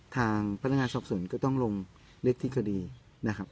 ทางพนักงานสอบสวนก็ต้องลงเล็กที่คดีนะครับ